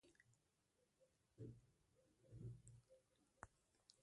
افغانستان د دځنګل حاصلات له مخې پېژندل کېږي.